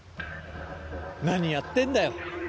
何やってんだよ。